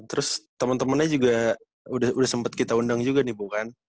terus teman temannya juga udah sempat kita undang juga nih bu kan